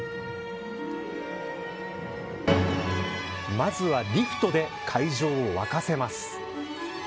まずはリフトで会場を沸かせます。